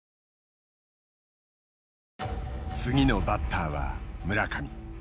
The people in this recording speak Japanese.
次のバッターは村上。